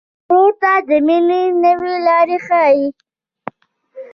ورور ته د مینې نوې لاره ښيي.